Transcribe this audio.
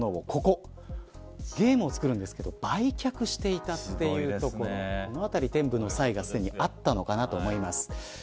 ゲームを作るんですけど売却していたというところこのあたり、天賦の才がすでにあったのかと思います。